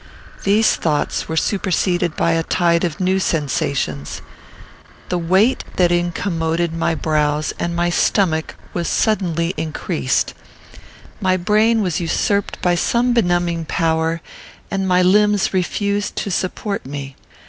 These thoughts were superseded by a tide of new sensations. The weight that incommoded my brows and my stomach was suddenly increased. My brain was usurped by some benumbing power, and my limbs refused to support me.